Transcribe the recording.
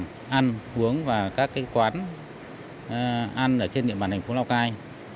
đó là ăn uống và các quán ăn trên địa bàn thành phố lao cai